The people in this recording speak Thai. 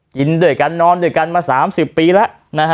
กินโดยกันนอนโดยกันมา๓๐ปีแล้ว